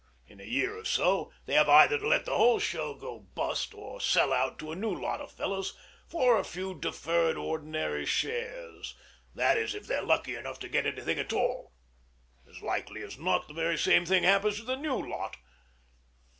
In a year or so they have either to let the whole show go bust, or sell out to a new lot of fellows for a few deferred ordinary shares: that is, if they're lucky enough to get anything at all. As likely as not the very same thing happens to the new lot.